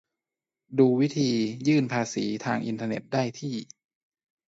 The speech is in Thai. ดูวิธีการยื่นภาษีทางอินเทอร์เน็ตได้ที่